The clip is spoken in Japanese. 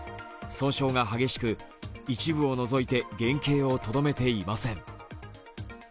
損傷が激しく、一部を除いて原形をとどめていません。